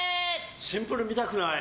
シンプル見たくない。